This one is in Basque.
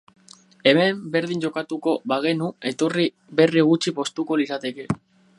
Hemen berdin jokatuko bagenu, etorri berri gutxi poztuko lirateke.